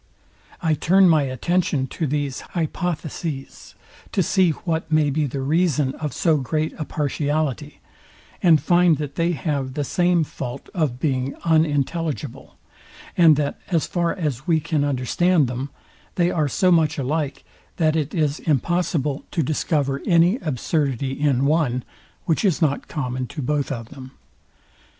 I turn my attention to these hypotheses to see what may be the reason of so great a partiality; and find that they have the same fault of being unintelligible, and that as far as we can understand them, they are so much alike, that it is impossible to discover any absurdity in one, which is not common to both of them.